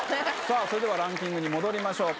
さぁそれではランキングに戻りましょう。